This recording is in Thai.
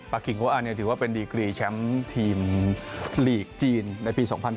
กิ่งโวอันถือว่าเป็นดีกรีแชมป์ทีมลีกจีนในปี๒๐๑๘